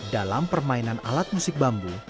dalam permainan alat musik bambu